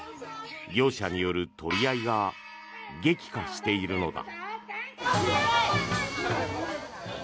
業者による取り合いが激化しているのだ。